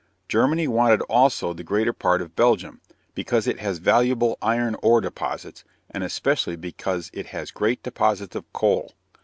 Germany wanted also the greater part of Belgium, because it has valuable iron ore deposits, and especially because it has great deposits of coal.